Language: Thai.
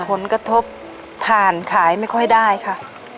ผลกระทบถ่านขายไม่ค่อยได้ค่ะ